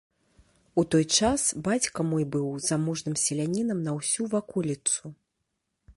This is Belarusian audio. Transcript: У той час бацька мой быў заможным селянінам на ўсю ваколіцу.